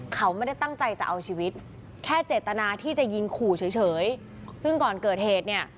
เขาไม่ได้ตั้งใจจะเอาชีวิตแค่เจตนาที่จะยิงขู่เฉยซึ่งก่อนเกิดเหตุเนี่ย